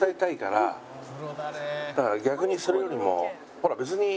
だから逆にそれよりもほら別に今。